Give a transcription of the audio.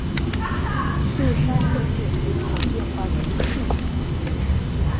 勒沙特列人口变化图示